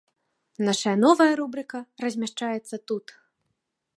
Нашая новая рубрыка размяшчаецца тут.